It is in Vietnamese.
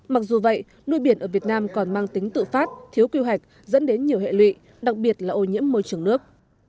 mặc dù vậy nuôi biển ở việt nam còn mang tính tự phát thiếu quy hoạch dẫn đến nhiều hệ lụy đặc biệt là ô nhiễm môi trường nước